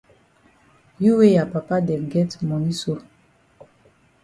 You wey ya papa dem get moni so!